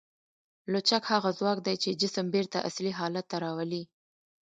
لچک هغه ځواک دی چې جسم بېرته اصلي حالت ته راولي.